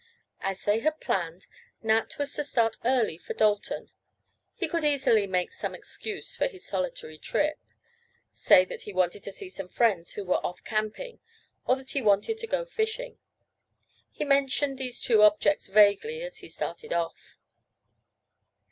As they had planned, Nat was to start early for Dalton. He could easily make some excuse for his solitary trip—say that he wanted to see some friends who were off camping, or that he wanted to go fishing. He mentioned these two objects vaguely as he started off.